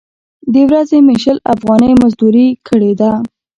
د ورځې مې شل افغانۍ مزدورۍ کړې ده.